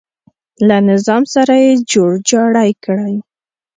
له نظام سره یې جوړ جاړی کړی.